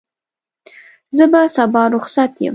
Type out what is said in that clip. زه به سبا رخصت یم.